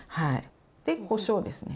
でこしょうですね。